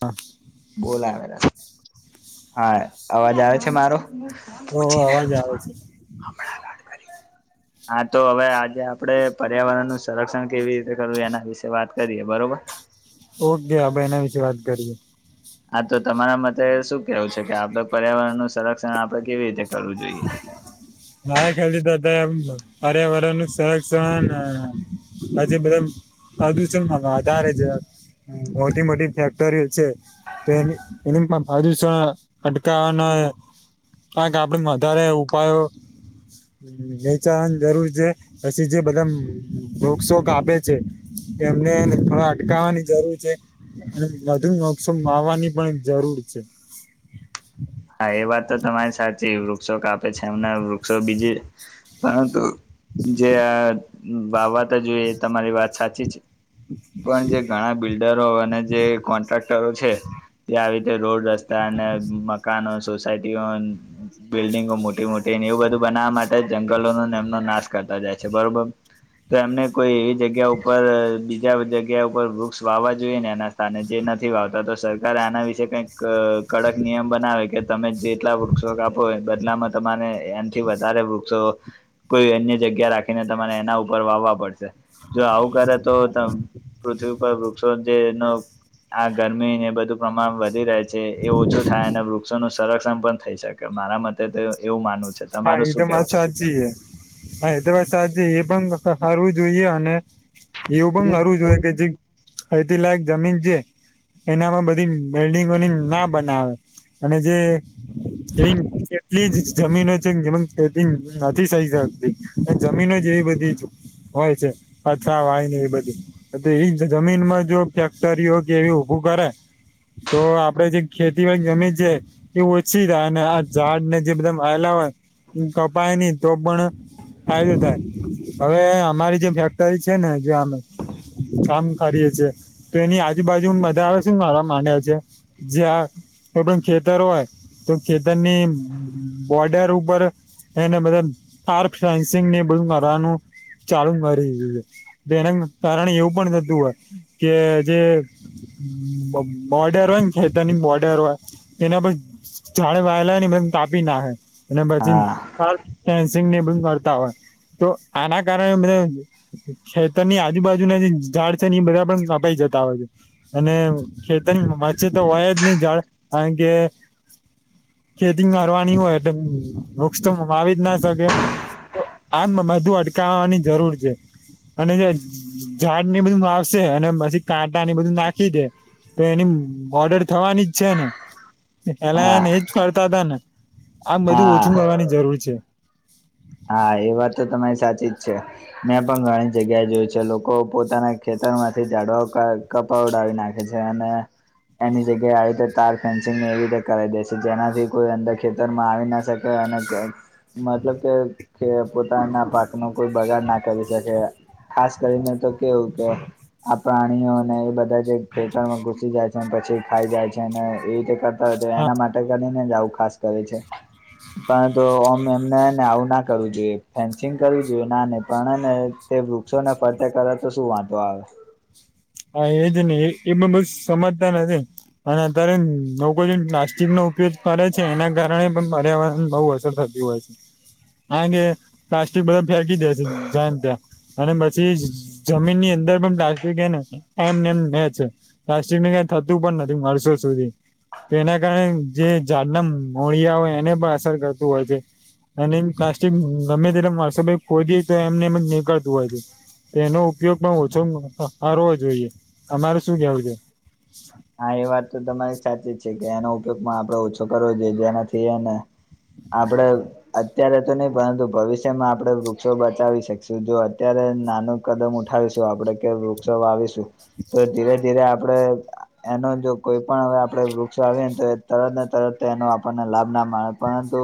હા. બોલાવેલા હા અવાજ આવે છે મારો? ઓ અવાજ આવે છે. [inaudible] હા તો હવે આજે આપડે પર્યાવરણનું સંરક્ષણ કેવી રીતે કરવું એના વિશે વાત કરીએ બરોબર. ઓકે આ ભાઈ એના વિશેે વાત કરીએ. હા તો તમારા મતે શું કેવું છે કે આપડે પર્યાવરણનું સંરક્ષણ આપડે કેવી રીતે કરવું જોઈએ? મારા ખ્યાલથી તો તેમ પર્યાવરણનું સંરક્ષણ પછી બધા પ્રદુષણ વ વધારે જ મોટી-મોટી ફેક્ટરીઓ છે. તેની પ્રદુષણ અટકાવાના આ. [unintelligible] વધારે ઉપાયો. વેચાણ જરૂર છે. પછી જે બધા વૃક્ષો કાપે છે. એમને થોડા અટકાવવાની જરૂર છે. અને વધુ વૃક્ષો વાવવાની પણ જરૂર છે. હા એ વાત તો તમારી સાચી વૃક્ષો કાપે છે એમને વૃક્ષો બીજી પરંતુ જે આ વાવવા જોઈએ તમારી વાત સાચી છે. પણ જે ઘણા બિલ્ડરો અને જે કોન્ટ્રાક્ટરો છે તે આવી રીતે રોડ રસ્તા અને મકાનો સોસાયટીઓ બિલ્ડિંગો મોટી-મોટી એવું બધું બનાવવા માટે જંગલોનો એમનો નાશ કરતા જાય છે બરોબર. તો એમને કોઈ એવી જગ્યા ઉપર બીજા જગ્યા ઉપર વૃક્ષ વાવવા જોઈએ ને એના. સ્થાને જે નથી વાવતા તો સરકાર આના વિશે કઈક કડક નિયમ બ બનાવે કે તમે જેટલા વૃક્ષો કાપો બદલામાં તમારે એનાથી વધારે વૃક્ષો કોઈ અન્ય જગ્યા રાખીને તમારે એના ઉપર વાવવા પડશે. જો આવું કરે તો તેમ પૃથ્વી ઉપર વૃક્ષો જે એનો આ ગરમીને એ બધું પ્રમાણ વધી રહે છે એ ઓછું થાય અને વૃક્ષોનું સંરક્ષણ પણ થઈ શકે. મારા મતે તો એવું એવું માનવ હા એ તો વાત સાચી હે. હા એ તો વાત સાચી એ પણ ફાડવું જોઈએ અને એવું પણ મારવું જોઈએ કે જે ખતીલાયક જમીન છે એનામાં બધી બિલ્ડિંગોની ના બનાવે. અને જે ગ્રીન એટલી જ જમીનો છે. જેમન ખેતી નથી સહી ચાલતી તો જમીન જ એવી બધી હોય છે પથરાવાળી ને એ બધી. તો તેવીજ જમીનમાં જો ફેક્ટરીઓ કે એવી ઊભું કરે તો આપડે જે ખેતીવાડી જમીન છે એ ઓછી રાહા અને આ ઝાડ ને જે બધા વાવેલા હોય એ કપાય નહી તો પણ થાય તે થાય. હવે અમારી જે ફેક્ટરી છે ને જે આમ કામ કરિયે છીએ. તો એની આજુબાજુ બધા આવે છે મારા મંડ્યા છે. જ્યા આપણા ખેતર હોય તો ખેતરની બોર્ડર ઉપર ઉપર એને બધા તારર્ફન્સિંગ ને બધું કરવાનું. ચાલુ મારી દીધ છે એના કારણે એવું પણ થતું હોય કે જે બ બોર્ડર હોય ને ખેતરની બોર્ડર હોય તેના પછ. [unintelligible] આ ભીના હૈ. અને પછીન હા તાર ફેશિંગ ને એ બધું કરતા હોય. તો આના કારણે બધ ખેતરની આજુબાજુના જે ઝાડ છે ને એ બધા પણ કપાઈ જતા હોય છે. એને ખેતર વચ્ચે તો હોય જ નહીં ઝાડ કારણ કે ખેતી વારવાની હોય એટલે વૃક્ષ તો વાવી જ ના શકે. તો આમ બધું અટકાવવાની જરૂર છે. અને જે ઝાડને બધું વાવશે અને પછી કાંટાને એ બધું નાખી દે. તો એની બોર્ડર થવાની જ છે ને પેલા હા એને એજ કરતાં તાં ને. આમ બધું હા ઓછું કરવાની જરૂર છે. હા એ વાત તો તમારી સાચી જ છે. મેં પણ ઘણી જગ્યાએ જોયું છે લોકો પોતાનાં ખેતરમાંથી ઝાડવાઓ કા કપાવડાવી નાખે છે અને એની જગ્યાએ આવી રીતે તાર ફેન્સિંગને એવી રીતે કરાવી દે છે જેનાથી કોઈ અંદર ખેતરમાં આવી ના શ કે મતલબ કે કે પોતાનાં પાકનો કોઈ બગાડ ના કરી શકે. ખાસ કરીને તો કેવું કે આ પ્રાણીઓને એ બધા જે ખેતરમાં ઘુસી જાય છે ને પછી ખાઈ જાય છે ને એવી રી તા હોય હા એના માટે કરીને જ આવું ખાસ કરે છે પરંતુ ઓમ એમને હેને આવું ના કરવું જોઈએ ફેન્સિંગ કરવું જોઈએ ના નઈ પણ હેને તે વૃક્ષોને ફરતે કરે તો શું વાંધો આવે. હા એજ ને એ અને અત્યારે લોકો જે પ્લાસ્ટિકનો ઉપયોગ કરે છે એના કારણે પણ પર્યાવરણ બઉ અસર થ તી હોય છે કારણ કે પ્લાસ્ટિક બધા ફેંકી દે છે જયાન ત્યાં. અને પછી જ જમીનની અંદર પણ પ્લાસ્ટિક હે ને. એમને એમ રે છે પ્લાસ્ટિકને કાઈ થતું પણ નથી વર્ષો સુધી. તેના કારણે જે ઝાડના મોળિયા હોય એને પણ અસર કરતું હોય છે. અને એ પ્લાસ્ટિક ગમે ત્યારે વર્સો પહી ખોજી તો એમને એમ જ નીકળતું હોય છે. તેનો ઉપયોગ પણ ઓછો હરવો જોઈએ અમારે શું કેવું છે? હા એ વાત તો તમારી સાચી જ છે કે એનો ઉપયોગ આપણેે ઓછો કરવો જોઈએ જેનાથી એને આપણે અત્યારે તો નહીં પરંતુ ભવિષ્યમાં આપડે વૃક્ષો બચાવી શકશું જો અત્યારે નાનું કદમ ઉઠાવીશું આપડે કે વૃક્ષો વાવીશું તો ધીરે-ધીરે આપડે એનો જો કોઈ પણ હવે આપણે વૃક્ષો વાવીએ ને તો તરત ને તરત એનો આપણને લાભ ના મળે પરંતુ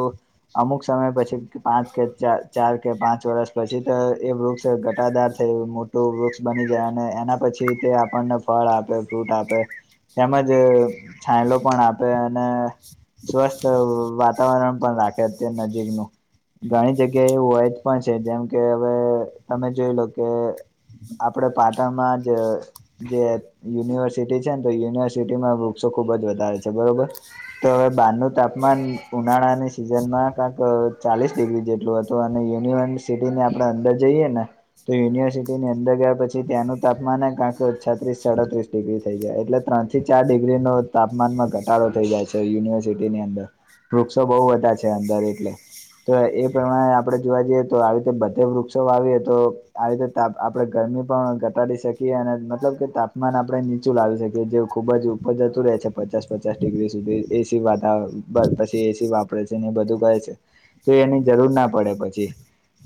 અમુક સમય પછી પાંચ કે ચાર ચાર કે પાંચ વર્ષ પછી તો એ વૃક્ષ ઘટાદાર થયું મોટું વૃક્ષ બની જાય અને એના પછી તે આપણને ફળ આપે ફ્રૂટ આપે. તેમજ છાંયડો પણ આપે અને સ્વસ્થ વાતાવરણ પણ રાખે અત્યાર નજીકનું. ઘણી જગ્યા એવું હોય જ પણ છે જેમ કે હવે તમે જોઈ લો કે આપડે પાટણમાં જ જે યુનિવર્સિટી છે ન તો યુનિવર્સિટીમાં બુક્સો ખુબ જ વધારે છે બરોબર. તો હવે બારનું તાપમાન ઉનાળાની સિઝનમાં કાક ચાલીસ ડિગ્રી જેટલું હ તો અને યુનિવર્સિટીને આપડે અંદર જઈએ ને તો યુનિવર્સિટીની અંદર ગયા પછી ત્યાંનું તાપમાન કારણ કે છત્રીસ સાડત્રીસ ડિગ્રી થઈ જાય એટલે ત્રણથી ચાર ડિગ્રીનો તાપમાનમાં ઘટાડો થઈ જાય છે યુનિવર્સિટીની અંદર. વૃક્ષો બઉ બધા છે અંદર એટલે. તો એ પ્રમાણે આપણે જોવા જઈએ તો આવી રીતે બધે વૃક્ષો વાવીએ તો આવી રીતે આપણે ગરમી પણ ઘટાડી શકીએ અને મતલબ કે તાપમાન આપણે લાવી શકે જે ખુબ જ ઉપર જતું રહે છે પચાસ પચાસ ડિગ્રી સુધી એ સી વાતાવરણ બસ પછી એ સી વાપરે છે ને એ બધું કરે છે તો એની જરૂર ના પડે પછી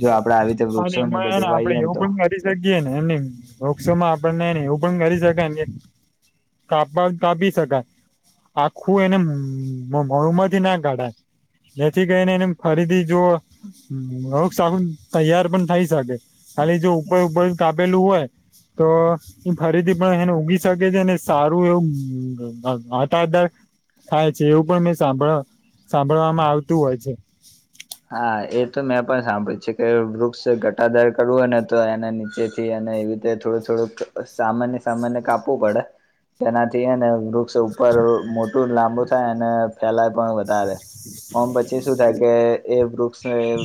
જો આપડે આવી રીતે વૃક્ષો ને એ બધું વાઈએ ને તો જગએ ને એમ વોક્ષો માં આપને એવું પણ કરી શકાયને તાપમાન તાપી શકાય. આખું એને મોડુમથી ના ગાડાય. જેથી ગઈને એને ફરીથી જોઓ [unintelligible] તૈયાર પણ થઈ શક એ ફરીથી પણ એને ઉગી શકે છે ને સારું એવું [unintelligible] થાય છે એવું પણ મેં સાંભળ સાંભળવામાં આવતું હોય છે. હા એ તો મેં પણ સાંભળ્યું છે કે વૃક્ષ ઘટાદાર કરવું હોય ને તો એના નીચેથી એને એવી થોડું થોડું સામાન્ય સામાન્ય કાપવું પડે તેનાથી એને વૃક્ષ સ ઉપર મોટું લાંબુ થાય અને ફેલાય પણ વધારે ઓમ પછી શું થાય કે એ વૃક્ષ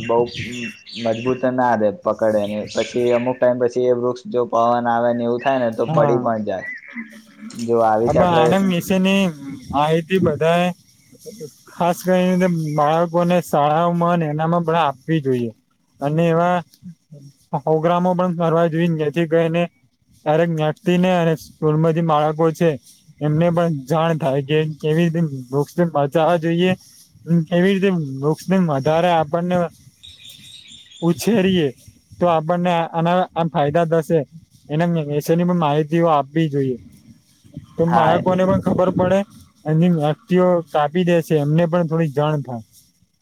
બહ મજબૂત ના દે પકડે ને પછી અમુક ટાઈમ પછી એ વૃક્ષ જો પવન આવે ને એવું થાય ને તો પડી પણ જાય જો આવી અ રીતે આપડે આનંદ મિસે ની માહિતી બધા ખાસ કરી બાળકોને શાળાઓમાં એના માં પણધ આપવી જોઈએ અને એવા પ્રગ્રામો પણ કરવા જોઈને જેથી કરીને ત્યારેક નાકતી ને અને સ્કૂલ માંથી બાળકો છે એમને પણ જાણ થાય કે કેવી રીતે વૃક્ષ બચાવવા જોઈએ એવી રીતે બુસ વધારે આપણને ઉછેરીએ તો આપણને આના આમ ફાયદા થશે એના એશેની પણ માહિતીઓ આપવી જોઈએ તો હા બાળકોને પણ ખબર પડે એની વ્યક્તિઓ કાપી દે છે એમને પણ થોડી જાણ થાય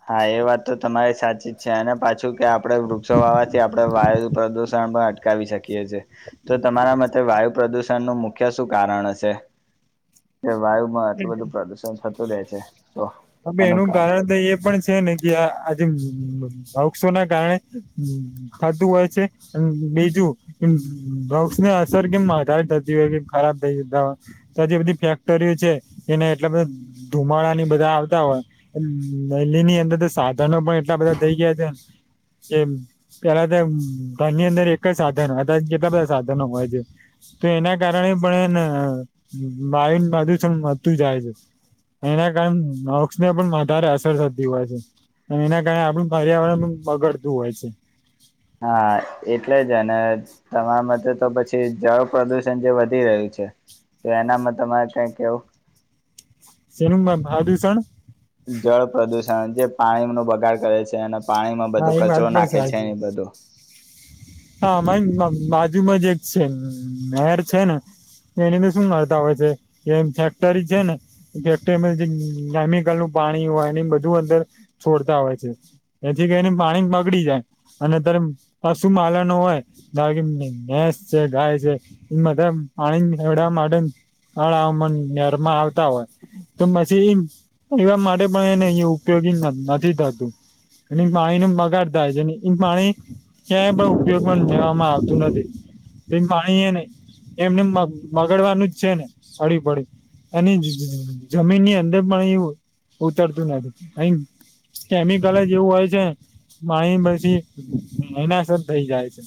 હા એ વાત તો તમારી સાચી જ છે અને પાછું કે આપડે વૃક્ષો વાવાથી આપડે વાયુ પ્રદુષણ પણ અટકાવી શકીએ છીએ તો તમારા માટે વાયુ પ્રદુષણ નું મુખ્ય શું કારણ હશે કે વાયુ માં થાય આટલું બધું પ્રદુષણ થતું રહે છે તો હ ભ એનું કારણ તો એ પણ છે ને કિ આજઔસો ના કારણે હ થતું હોય છે બીજું કેમ ડ્રગસ ની અસર કેમ વધારે થતી હોય કે ખરાબ થઈ જતા હોય તો જે બધી ફેક્ટરીઓ છે એને એટલે બધ ધુમાડા ની બધા હોય નલીની અંદર તો સાધનો પણ એટલા બધા થઈ ગયા છેને કે પેલા ત ધન ની અંદર એક જ સાધન હોય કેટલા બધા સાધનો હોય છે તો એના કારણે પણ એને વાયુ પ્રદુષણ વધતું જાય છે. એના કરન વક્ષને પણ વધારે અસર થતી હોય છે અને એના કારણે આપણું પર્યાવરણ પણ બગડતું હોય છે. હા એટલે જ અને તમારા મતે તો પછી જળ પ્રદુષણ જે વધી રહ્યું છે તો એનામાં તમારે કઈ કેવું સેનું ભા દિવસણ જળ પ્રદૂષણ જે પાણીનો બગાડ કરે છે અને પાણીમાં હા બધું એ વાત કચરો પણ નાખે છે સાચી. એ બધું હા મારી બાજુમાં જ એક છે નહેર છે ને એનીંદ શું માતા હોય છે એમ ફેક્ટરી છે ને કરમલ જેમિકલ નું પાણી હોય એને બધું અંદર છોડતા હોય છે એથી કરીઈને પાણી બગડી જાય અને અ્યારે પશુ માલન હોયસ છે ગાય છે એ બધા પાણીડ માટે હળ હ મ નરમાં આવતા હોય તો પછી એવા માટે પણ એને અહી ઉપયોગી ન નથી થતું એ પાણીનો બગાડ થાય છે ને એ પાણી ક્યાં બ પણ જવામાં આવતું નથી. એ પાણી એ નહીં એમનેમ બ બગડવાનું જ છે ને પડ્યું પડ્યું. અને જમીન ની અંદર પણ એ ઉતરતું નાતું કેમિકલ જ એવું હોય છે માહી પછી એના થઈ જાય છે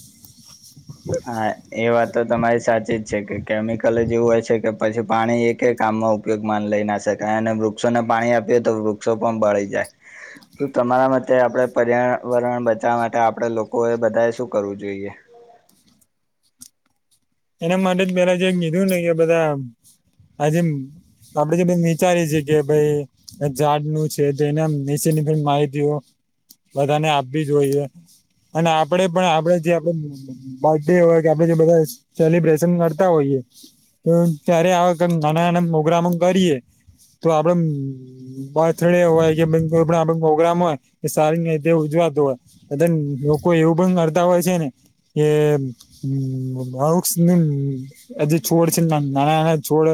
હા એ વાત તો તમારી સાચી જ છે કે કેમિકલ જેવું હોય છે કે પછી પાણી એક કે કામમાં ઉપયોગ માન લઈ ના શકાય અને વૃક્ષોને પાણી આપીએ તો વૃક્ષો પણ બળી જાય તો તમારા માટેતે આપડે પર્યાવરણ બચાવવા માટે આપડે લોકોએ બધાએ શું કરવું જોઈએ એના માટે જ પેલા જે કીધું લાગે બધા આજે આપડે જે વિચારીએ છીએ કે ભાઈ! ઝાડનું છે તેની એમ નીચેની પણ માહિતીઓ બધાને આપવી જોઈએ. અને આપડે પણ આપડે જે આપડે બર્થડે હોય કે આપડે જે બધા સેલિબ્રેશન કરતા હોઈએ તો, ત્યારે આ વખત નાના નાના પ્રોગ્રામો કરીએ તો આપડે બર્થડે હોય કે કોઈ પણ આપડે પ્રોગ્રામ હોય એ સારી રીતે ઉજવાતો હોય. લોકો એવું પણ કરતા હોય છે ને કે [unintelligible] આ જે છોડ છે નાના નાના છોડ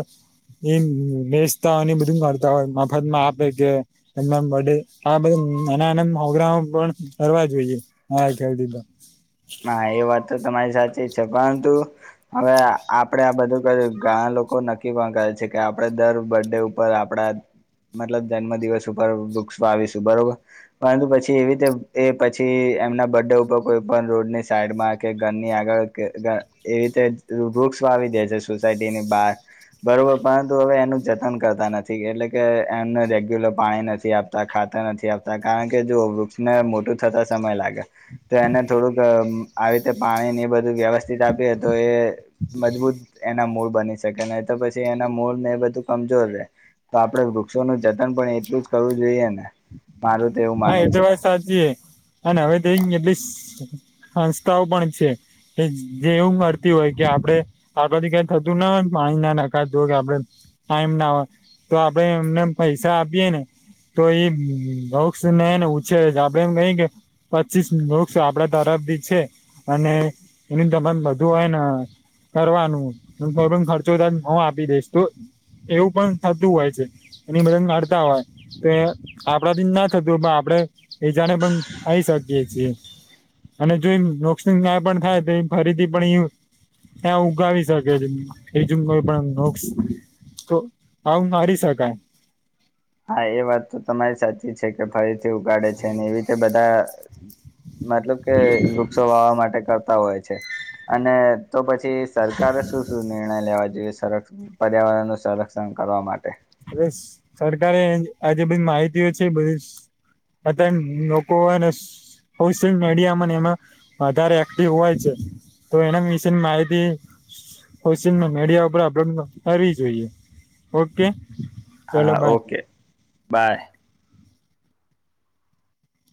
એમ વેચતા હોય ને એ બધું કરતા હોય. મફતમાં આપે કે એ આ બધા નાના નાના પ્રોગ્રામો પણ કરવા જોઈએ. મારા ખ્યાલથી તો. હા એ વાત તો તમારી સાચી જ છે. પરંતુ, હવે આપડે આ બધું કર્યું. ઘણા લોકો નક્કી પણ કરે છે કે, આપડે દર બર્ડે ઉપ પર આપડા મતલબ જન્મ દિવસ ઉપર વૃક્ષ વાવીશું. બરોબર. પરંતુ પછી એવી રીતે એ પછી એમના બર્થડે ઉપર કોઈ પણ રોડની સાઈડમાં કે ઘરની આગળ કે ઘ એવી રીતે વૃક્ષ વાવી દે છે સોસાયટીની બહાર. બરોબર, પરંતુ હવે એનું જતન કરતા નથી. એટલે કે એમને રેગ્યુલર પાણી નથી આપ ખાતર નથી આપતા. કારણ કે જો વૃક્ષને મોટું થતા સમય લાગે તો એને થોડુંક આવી રીતે પાણી ને એ બધું વ્યવસ્થિત આપીએ તો એ મજબૂત એના મૂળ બની શ કે તો પછી એના મૂળ ને એ બધું કમજોર રે. તો આપડે વૃક્ષોનું જતન પણ એટલું જ કરવું જોઈએને? મારું તો એવું હા માનવું એ તો છે વાત સાચી છે. અને હવે તે એટલી સસ સંસ્થાઓ પણ છે. કે જે એવું મળતી હોય કે આપડે આપળાથી ક્યાંક થતું ના હોય પાણી ના નખાતું હોય કે આપડે ટાઈમ ના હોય તો આપડે એમને પૈસા આપીએેને, તો એ બઉ વૃક્ષને ઉછેરે છે. આપડે એમ કહી કે, પચીસ વૃક્ષ આપડા તરફથી છે. અને એનું તમામ બધું હોય ને કરવાનું. ભરણ ખર્ચો તન હું આપી દઈશ. તું એવું પણ થતું હોય છે. એની મદદ કાઢતા હોય તો આપણથી ના જ થતું હોય. તું પણ આપડે બીજાને પણ લાઇ શકીએ છીએ. અને જો નોક્સિંગ નયા પણ થાય તો એ ફરીથી પણ એ ત્યાં ઉગાવી શકે છે. એ જ કોઈ પણ નોક્ષ તો આ ઉગાડી શકાય. હા! એ વાત તો તમારી સાચી છે કે, ફરીથી ઉગાડે છે ને એવી રીતે બધા મતલબ કે વૃક્ષો વાવવા માટે કરતા હોય છે. અને તો પછી સરકારે શું શું નિર્ણય લેવા જોઈએ? સર પર્યાવરણનું સંરક્ષણ કરવા માટે. બસ સરકારે આજે બધી માહિતીઓ છે બધી આ નકવાને સોશિયલ મીડિયાને એમાં વધારે એક્ટિવ હોય છે. તો એના વિશેની માહિતી કોશિલ મીડિયા ઉપર કરવી જોઈએ ઓકે ચલો હા, બાય ઓકે બાય